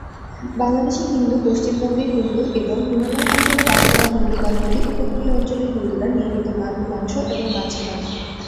বাংলাদেশি হিন্দু, পশ্চিমবঙ্গের হিন্দু এবং হিমালয় অঞ্চলে বাস করা হিন্দু, বা নদী উপকূলীয় অঞ্চলের হিন্দুরা নিয়মিত মাংস এবং মাছ খান।